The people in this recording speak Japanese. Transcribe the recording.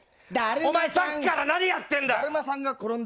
お前さっきから何がやっているんだ！